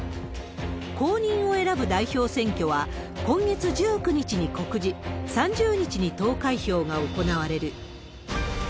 後任を選ぶ代表選挙は、今月１９日に告示、３０日に投開票が行われる。